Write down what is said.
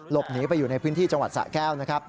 หลบหนีไปอยู่ในพื้นที่จังหวัดสะแก้วนะครับ